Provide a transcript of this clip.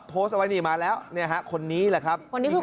โพสต์เอาไว้นี่มาแล้วคนนี้แหละครับ